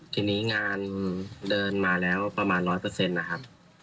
ทีนี้งานเดินมาแล้วประมาณ๑๐๐นะครับ